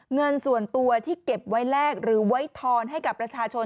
เงินส่วนตัวที่เก็บไว้แลกหรือไว้ทอนให้กับประชาชน